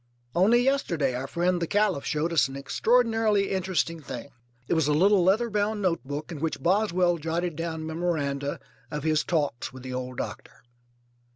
Only yesterday our friend the Caliph showed us an extraordinarily interesting thing. It was a little leather bound notebook in which Boswell jotted down memoranda of his talks with the old doctor.